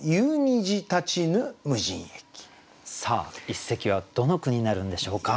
一席はどの句になるんでしょうか。